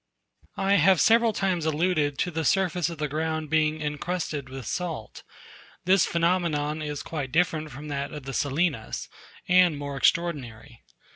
I have several times alluded to the surface of the ground being incrusted with salt. This phenomenon is quite different from that of the salinas, and more extraordinary.